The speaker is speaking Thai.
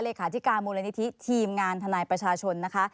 เลขาธิการมูลนิธิทีมงานทนายประชาชนนะคะ